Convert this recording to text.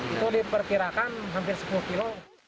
itu diperkirakan hampir sepuluh kilo